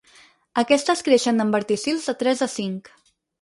Aquestes creixen en verticils de tres a cinc.